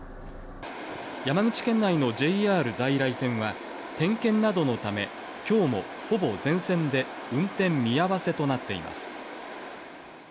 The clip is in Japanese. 山口県内のＪＲ在来線は点検などのため、きょうもほぼ全線で運転見合わせとなっています。